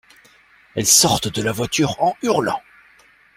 Elles sortent de la voiture en hurlant.